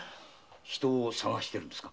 人を捜してるんですか？